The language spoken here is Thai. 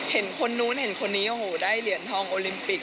เห็นคนนู้นเห็นคนนี้โอ้โหได้เหรียญทองโอลิมปิก